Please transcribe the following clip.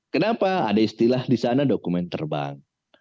kenapa ada istilah di sana dokumen terbang